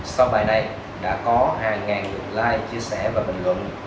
sau bài này đã có hàng ngàn like chia sẻ và bình luận